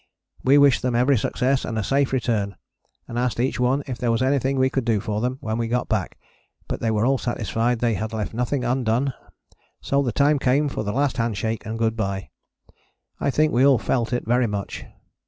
We wished them every success and a safe return, and asked each one if there was anything we could do for them when we got back, but they were all satisfied they had left nothing undone, so the time came for the last handshake and good bye. I think we all felt it very much.